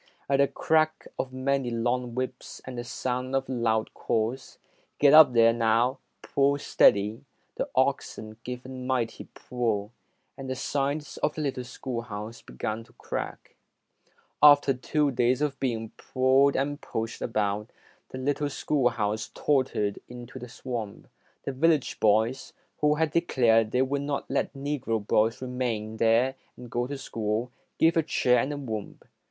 At the crack of many long whips and the sound of loud calls, "Get up there, now! Pull steady", the oxen gave a mighty pull, and the sides of the little schoolhouse began to crack. After two days of being pulled and pushed about, the little schoolhouse tottered into the swamp. The village boys, who had declared they would not let the Negro boys remain there and go to school, gave a cheer and a whoop.